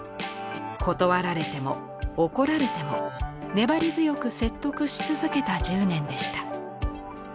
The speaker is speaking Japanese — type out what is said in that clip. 断られても怒られても粘り強く説得し続けた１０年でした。